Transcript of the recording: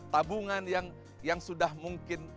tabungan yang sudah mungkin